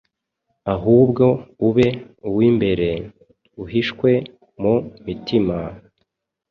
ahubwo ube uw’imbere, uhishwe mu mitima,